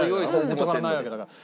元からないわけだから。